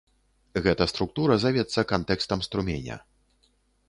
Гэта структура завецца кантэкстам струменя.